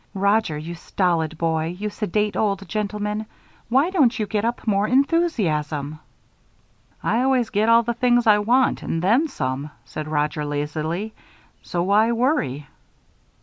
Roger, you stolid boy, you sedate old gentleman, why don't you get up more enthusiasm?" "I always get all the things I want and then some," said Roger, lazily, "so why worry?"